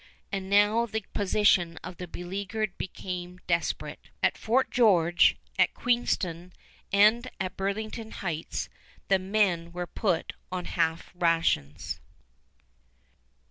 And now the position of the beleaguered became desperate. At Fort George, at Queenston, and at Burlington Heights, the men were put on half rations.